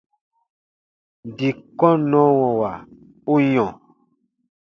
Dii kɔnnɔwɔwa u yɔ̃.